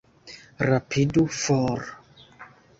Rapidu, for!